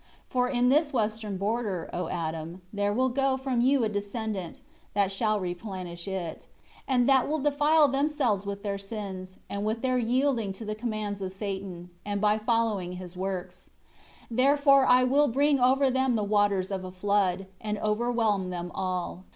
6 For in this western border, O Adam, there will go from you a descendant, that shall replenish it; and that will defile themselves with their sins, and with their yielding to the commands of Satan, and by following his works. 7 Therefore will I bring over them the waters of a flood, and overwhelm them all.